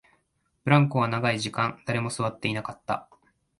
ブランコは長い時間、誰も座っていなかった